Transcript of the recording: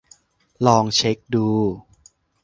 ลองเช็คดู